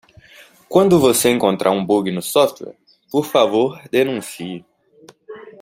Quando você encontrar um bug no software?, por favor denuncie.